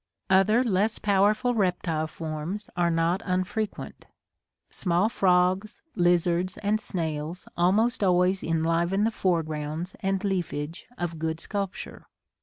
Other less powerful reptile forms are not unfrequent. Small frogs, lizards, and snails almost always enliven the foregrounds and leafage of good sculpture.